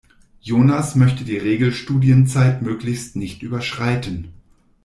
Jonas möchte die Regelstudienzeit möglichst nicht überschreiten.